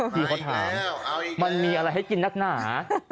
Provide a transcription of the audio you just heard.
พี่เขาถามมันมีอะไรให้กินนักหนา